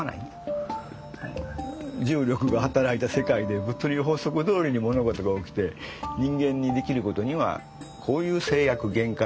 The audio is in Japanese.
重力が働いた世界で物理法則どおりに物事が起きて人間にできることにはこういう制約限界があると。